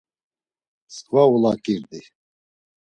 Msǩva ulaǩirdi.